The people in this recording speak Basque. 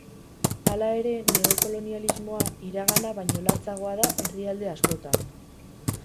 Hala ere neokolonialismoa iragana baino latzagoa da herrialde askotan.